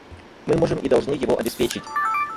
Мы можем и должны его обеспечить.